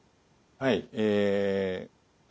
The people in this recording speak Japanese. はい。